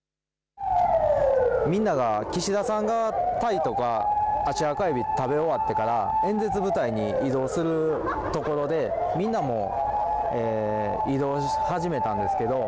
みんなが岸田さんがタイとか食べ終わったら演説舞台に移動するところでみんなも移動を始めたんですけど。